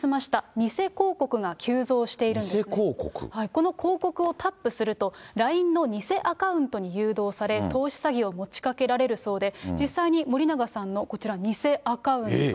この広告をタップすると、ＬＩＮＥの偽アカウントに誘導され、投資詐欺を持ちかけられるそうで、実際に森永さんの、こちら、偽アカウント。